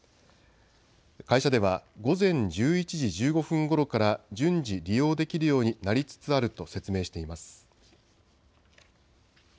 会社では午前１１時１５分ごろから順次利用できるようになりつつあると説明しています。